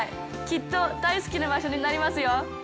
きっと大好きな場所になりますよ。